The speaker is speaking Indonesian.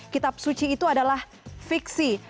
kitab suci itu adalah fiksi